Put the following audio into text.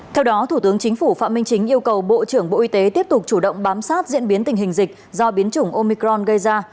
theo đó thủ tướng chính phủ phạm minh chính yêu cầu bộ trưởng bộ y tế tiếp tục chủ động bám sát diễn biến tình hình dịch do biến chủng omicron gây ra